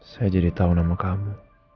saya jadi tahu nama kamu